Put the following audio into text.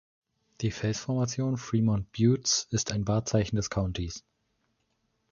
Die Felsformation Fremont Buttes ist ein Wahrzeichen des Countys.